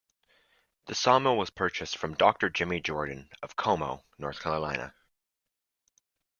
The sawmill was purchased from Doctor Jimmy Jordan of Como, North Carolina.